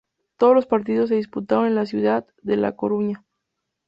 Todos los partidos se disputaron en la ciudad de La Coruña.